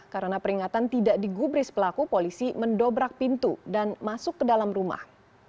karena peringatan tidak digubris pelaku polisi mendobrak pintu dan masuk ke dalam rumah